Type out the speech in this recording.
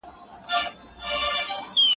رڼاګانو را په سد کړمه ماڼۍ کې